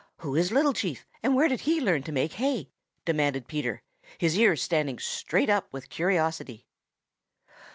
"Who is Little Chief, and where did he learn to make hay?" demanded Peter, his ears standing straight up with curiosity.